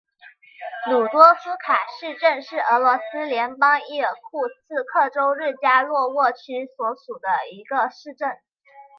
鲁多夫卡市镇是俄罗斯联邦伊尔库茨克州日加洛沃区所属的一个市镇。